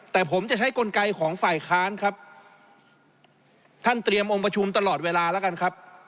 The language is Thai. แต่ผมจะใช้กลไกของฝ่ายค้านครับท่านเตรียมองค์ประชุมตลอดเวลาแล้วกันครับ